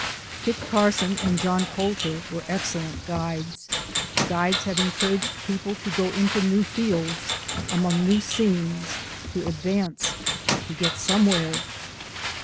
Kit Carson and John Colter were excellent guides. Guides have encouraged people to go into new fields, among new scenes, to advance, to get somewhere.